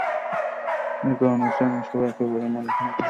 এর কারণ হচ্ছে আমরা সবাই একেবারে মলিকিউলার লেভেলে একইরকম।